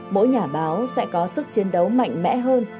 mỗi nhà báo sẽ có sức chiến đấu mạnh mẽ hơn